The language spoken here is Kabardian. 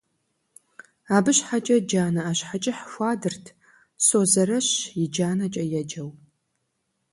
Абы щхьэкӏэ джанэ ӏэщхьэкӏыхь хуадырт, «Созэрэщ и джанэкӏэ» еджэу .